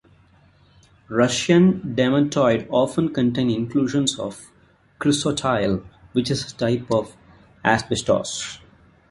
Russian demantoid often contain inclusions of chrysotile, which is a type of asbestos.